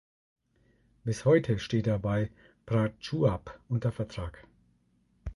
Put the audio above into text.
Bis heute steht er bei Prachuap unter Vertrag.